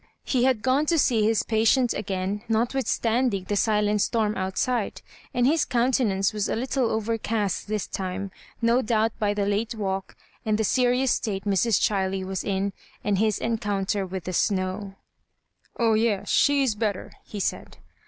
He had gone to see his patient again, notwithstanding the silent storm outside. And his countenance was a little overcast this time, no doubt by the late walk, and the serious state Mrs. Chiley was in, and his encounter with the snow. " Oh yes, she is better," he said.